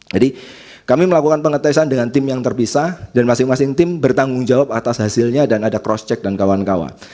jadi kami melakukan pengetesan dengan tim yang terpisah dan masing masing tim bertanggung jawab atas hasilnya dan ada cross check dan kawan kawan